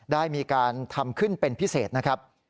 ได้มีการทำขึ้นเป็นพิเศษนะครับ